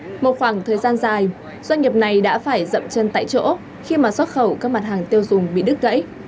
hai năm một khoảng thời gian dài doanh nghiệp này đã phải dậm chân tại chỗ khi mà xuất khẩu các mặt hàng tiêu dùng bị đứt gãy